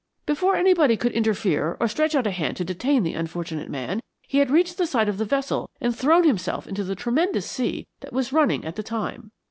Before anybody could interfere or stretch out a hand to detain the unfortunate man, he had reached the side of the vessel and thrown himself into the tremendous sea which was running at the time.